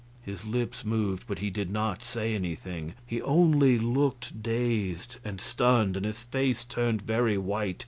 His lips moved, but he did not say anything, he only looked dazed and stunned, and his face turned very white.